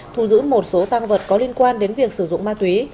thu giữ một số tăng vật có liên quan đến việc sử dụng ma túy